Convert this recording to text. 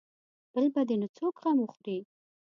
بل به دې نو څوک غم وخوري.